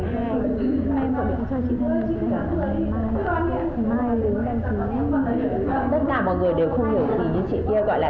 tất cả mọi người đều không hiểu gì như chị kia gọi là tập check thôi